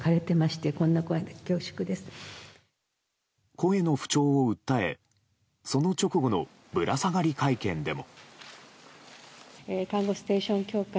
声の不調を訴え、その直後のぶら下がり会見でも。